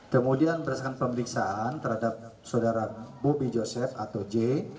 kemudian berdasarkan pemeriksaan terhadap saudara bobby joseph atau j